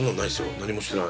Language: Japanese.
何もしてない。